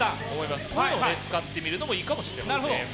これを使ってみるのもいいかもしれません。